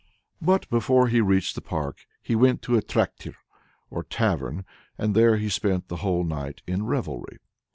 But before he reached the park, he went into a traktir (or tavern), and there he spent the whole night in revelry.